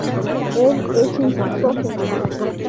Él es un chico genial.